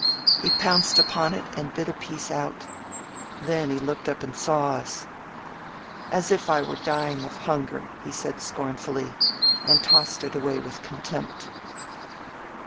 He pounced upon it and bit a piece out. Then he looked up and saw us. ^^As if I were dying of hun ger!" he said scornfully and tossed it away with con tempt.